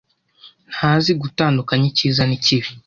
Ntazi gutandukanya icyiza n'ikibi.